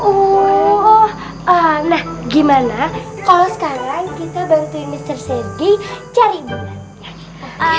oh nah gimana kalau sekarang kita bantuin mister sergi cari ibu radmini